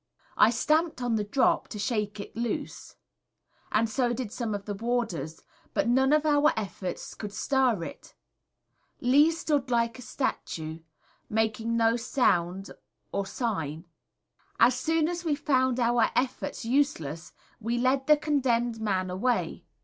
I stamped on the drop, to shake it loose, and so did some of the warders, but none of our efforts could stir it. Lee stood like a statue, making no sound or sign. As soon as we found our efforts useless we led the condemned man away.